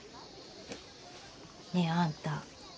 ねえあんた